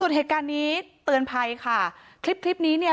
ส่วนเหตุการณ์นี้เตือนภัยค่ะคลิปคลิปนี้เนี่ย